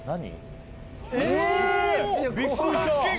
何？